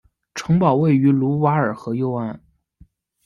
城堡位于卢瓦尔河右岸。